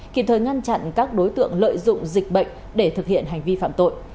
kịp thời ngăn chặn các đối tượng lợi dụng dịch bệnh để thực hiện hành vi phạm tội